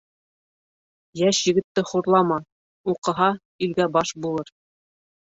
Йәш егетте хурлама: уҡыһа, илгә баш булыр.